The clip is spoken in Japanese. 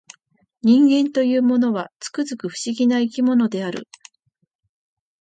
人間というものは、つくづく不思議な生き物である